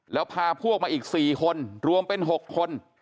แล้วพาพวกมาอีก๔คนรวมเป็น๖คน